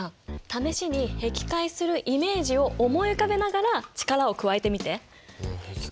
試しにへき開するイメージを思い浮かべながら力を加えてみて。へき